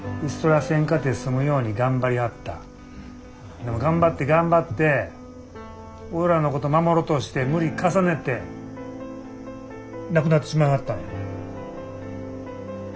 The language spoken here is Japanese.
でも頑張って頑張って俺らのこと守ろとして無理重ねて亡くなってしまいはったんや。